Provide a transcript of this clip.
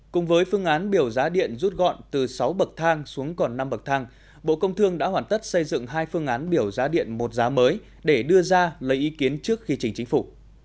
cùng với phương án biểu giá điện rút gọn từ sáu bậc thang xuống còn năm bậc thang bộ công thương đã hoàn tất xây dựng hai phương án biểu giá điện một giá mới để đưa ra lấy ý kiến trước khi chỉnh chính phủ